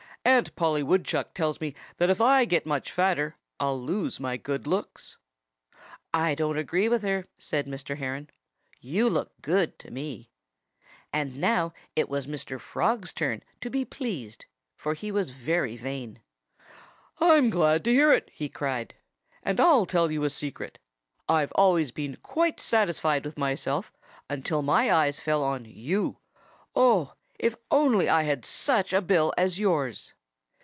"Aunt Polly Woodchuck tells me that if I get much fatter I'll lose my good looks." "I don't agree with her," said Mr. Heron. "You look good to me." And now it was Mr. Frog's turn to be pleased; for he was very vain. "I'm glad to hear it!" he cried. "And I'll tell you a secret: I've always been quite satisfied with myself until my eyes fell on you. Oh! if I only had such a bill as yours!"